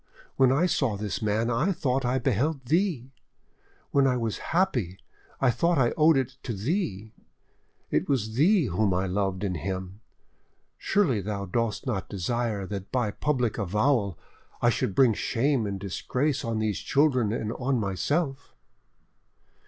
When I saw this man, I thought I beheld thee; when I was happy, I thought I owed it to thee; it was thee whom I loved in him. Surely thou dost not desire that by a public avowal I should bring shame and disgrace on these children and on myself."